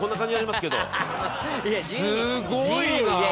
すごいなあ。